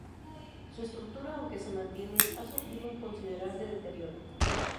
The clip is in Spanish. Su estructura aunque se mantiene ha sufrido un considerable deterioro.